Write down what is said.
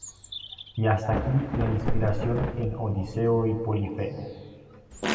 Y hasta aquí la inspiración en Odiseo y Polifemo.